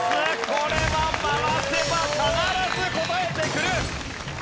これは回せば必ず答えてくる。